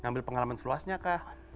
ngambil pengalaman seluasnya kah